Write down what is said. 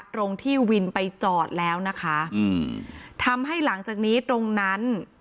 ตรงที่วินไปจอดแล้วนะคะอืมทำให้หลังจากนี้ตรงนั้น